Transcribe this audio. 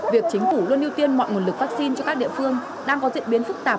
việc chính phủ luôn ưu tiên mọi nguồn lực vaccine cho các địa phương đang có diễn biến phức tạp